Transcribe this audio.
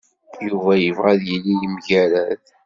Yuba yebɣa ad yili yemgerrad.